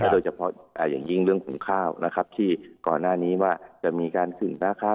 โดยเฉพาะอย่างยิ่งเรื่องหุงข้าวนะครับที่ก่อนหน้านี้ว่าจะมีการขึ้นราคา